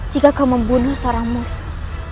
jika kau membunuh seorang musuh